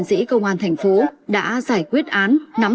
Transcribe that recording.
so với năm hai nghìn hai mươi hai